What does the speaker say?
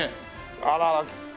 あら。